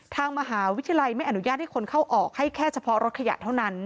ทางมหาวิทยาลัยไม่อนุญาตให้คนเข้าออกให้แค่เฉพาะรถขยะเท่านั้น